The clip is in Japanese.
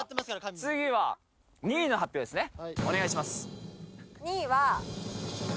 次は２位の発表ですねお願いします